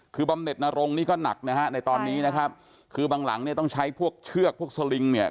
คือบำเน็ตนรงนี่ก็หนักนะฮะในตอนนี้นะครับคือบางหลังเนี่ยต้องใช้พวกเชือกพวกสลิงเนี่ย